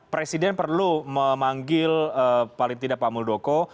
presiden perlu memanggil paling tidak pak muldoko